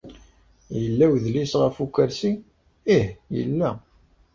Yella wedlis ɣef ukersi? Ih, yella.